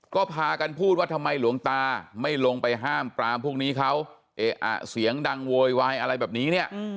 ก็พากันพูดว่าทำไมหลวงตาไม่ลงไปห้ามปรามพวกนี้เขาเอ๊ะอ่ะเสียงดังโวยวายอะไรแบบนี้เนี่ย